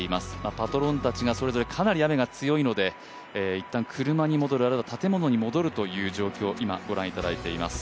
パトロンたちがそれぞれかなり雨が強いのでいったん車や建物に戻るという状況を今ご覧いただいています。